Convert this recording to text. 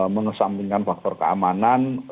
mengesampingkan faktor keamanan